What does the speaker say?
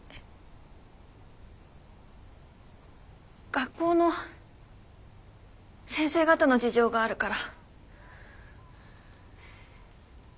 学校の先生方の事情があるから。